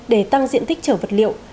để tăng diện tích chở vật liệu